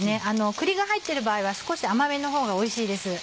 栗が入ってる場合は少し甘めの方がおいしいです。